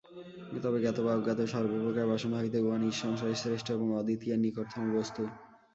তবে জ্ঞাত বা অজ্ঞাত সর্বপ্রকার বাসনা হইতেই উহা নিঃসংশয়ে শ্রেষ্ঠ এবং অদ্বিতীয়ের নিকটতম বস্তু।